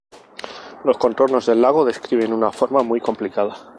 Los contornos del lago describen una forma muy complicada.